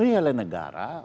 ini terpenuhi oleh negara